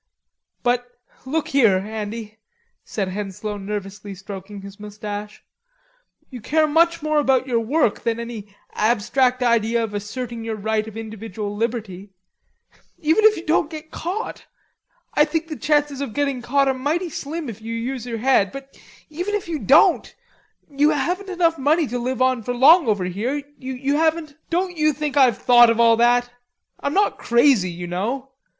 "But, look here, Andy," said Henslowe nervously stroking his moustache. "You care much more about your work than any abstract idea of asserting your right of individual liberty. Even if you don't get caught.... I think the chances of getting caught are mighty slim if you use your head.... But even if you don't, you haven't enough money to live for long over here, you haven't...." "Don't you think I've thought of all that? I'm not crazy, you know.